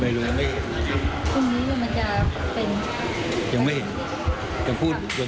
ถ้ายอมถอยเรื่องศาลและสอวอจะยอมถอยให้รัฐบาลบ้างไหมคะ